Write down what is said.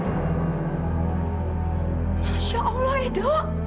masya allah edo